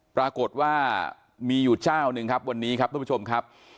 ปรากฏว่ามีอยู่เจ้าหนึ่งครับวันนี้ครับทุกผู้ชมครับ